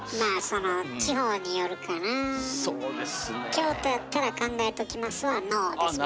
京都やったら「考えときます」は「ＮＯ」ですもんね。